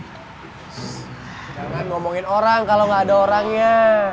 jangan ngomongin orang kalau gak ada orangnya